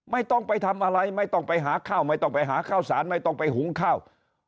ไม่ต้องไปทำอะไรไม่ต้องไปหาข้าวไม่ต้องไปหาข้าวสารไม่ต้องไปหุงข้าว